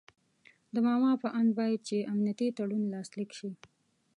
د ماما په آند باید چې امنیتي تړون لاسلیک شي.